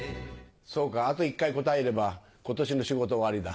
そうかあと１回答えれば今年の仕事終わりだ。